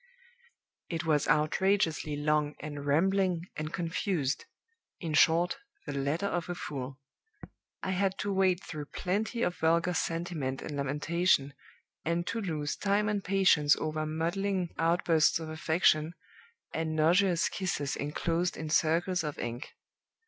"It was outrageously long, and rambling, and confused; in short, the letter of a fool. I had to wade through plenty of vulgar sentiment and lamentation, and to lose time and patience over maudlin outbursts of affection, and nauseous kisses inclosed in circles of ink.